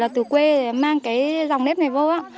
từ quê mang dòng nếp này vô